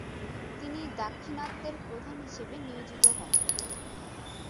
তিনি দাক্ষিণাত্যের প্রধান হিসেবে নিয়োজিত হন।